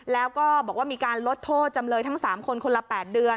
แล้วก็บอกว่ามีการลดโทษจำเลยทั้ง๓คนคนละ๘เดือน